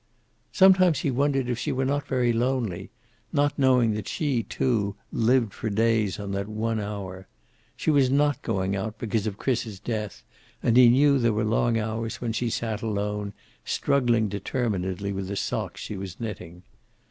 Some times he wondered if she were not very lonely, not knowing that she, too, lived for days on that one hour. She was not going out, because of Chris's death, and he knew there were long hours when she sat alone, struggling determinedly with the socks she was knitting.